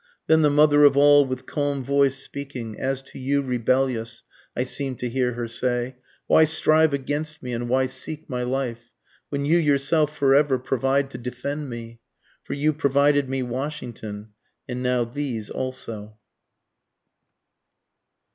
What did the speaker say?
Then the Mother of All with calm voice speaking, As to you Rebellious, (I seemed to hear her say,) why strive against me, and why seek my life? When you yourself forever provide to defend me? For you provided me Washington and now these also.